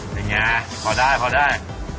เป็นไงพอได้